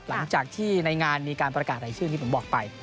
หลังจากที่ในงานมีการประกาศรายชื่อที่ผมบอกไป